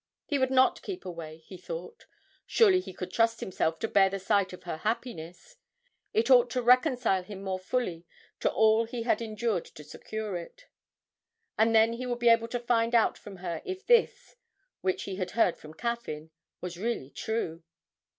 He would not keep away, he thought; surely he could trust himself to bear the sight of her happiness; it ought to reconcile him more fully to all he had endured to secure it, and then he would be able to find out from her if this, which he had heard from Caffyn, was really true.